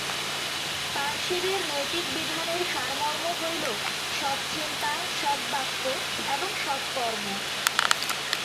পার্শীদের নৈতিক-বিধানের সারমর্ম হইল সৎ চিন্তা, সৎ বাক্য এবং সৎ কর্ম।